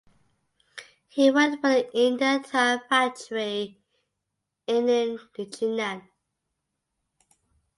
He worked for the India Tyre factory in Inchinnan.